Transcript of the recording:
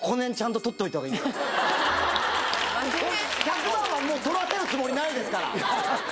１００万はもう取らせるつもりないですから。